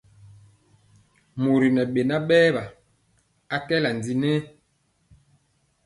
Mori ŋɛ beŋa berwa, akɛla ndi nɛ.